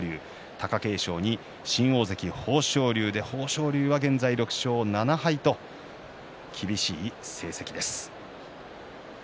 貴景勝に新大関豊昇龍で豊昇龍は現在６勝７敗という厳しい成績です。